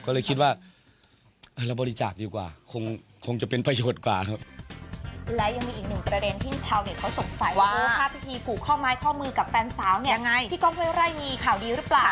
ก็เลยคิดว่าเออแล้วบริจาคดีกว่าคงจะเป็นพยศกว่าครับ